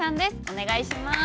お願いします。